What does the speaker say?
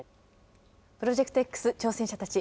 「プロジェクトＸ挑戦者たち」。